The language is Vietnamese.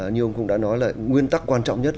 như ông cũng đã nói là nguyên tắc quan trọng nhất